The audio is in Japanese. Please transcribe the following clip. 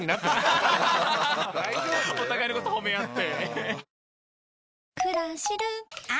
大丈夫？お互いのこと褒め合って。